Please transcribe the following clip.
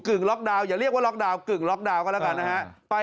ล็อกดาวนอย่าเรียกว่าล็อกดาวนกึ่งล็อกดาวนก็แล้วกันนะฮะ